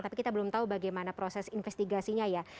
tapi kita belum tahu bagaimana proses investigasinya ya